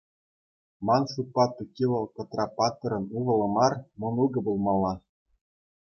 Ман шутпа, Тукки вӑл Кӑтра-паттӑрӑн ывӑлӗ мар, мӑнукӗ пулмалла.